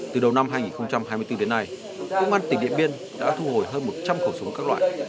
từ đầu năm hai nghìn hai mươi bốn đến nay công an tỉnh điện biên đã thu hồi hơn một trăm linh khẩu súng các loại